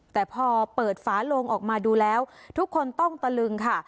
แต่พอเปิดฝาโลงออกมาดูแล้วทุกคนต้องตะลึงค่ะ